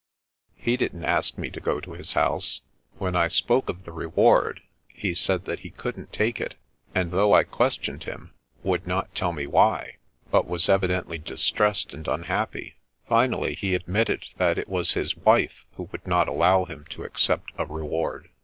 " He didn't ask me to go to his house. When I spoke of the reward, he said that he couldn't take it, and though I questioned him, would not tell me why, but was evidently distressed and unhappy. Finally he admitted that it was his wife who would not allow him to accept a reward.